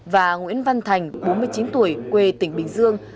và nguyễn văn thành bốn mươi chín tuổi quê tỉnh bình dương